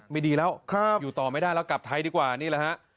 ไม่ดีแล้วอยู่ต่อไม่ได้แล้วกลับไทยดีกว่านี่แหละฮะ